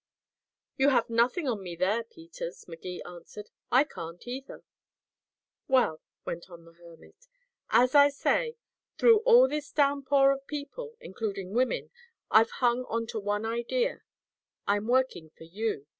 "You have nothing on me there, Peters," Magee answered. "I can't either." "Well," went on the hermit, "as I say, through all this downpour of people, including women, I've hung on to one idea. I'm working for you.